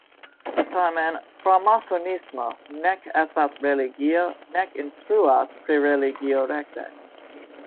Tamen, framasonismo nek estas religio, nek instruas pri religio rekte.